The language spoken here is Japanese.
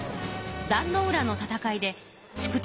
壇ノ浦の戦いで宿敵